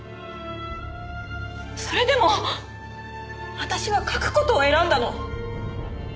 それでも私は書く事を選んだの。